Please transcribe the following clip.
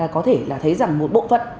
có thể thấy rằng một bộ phận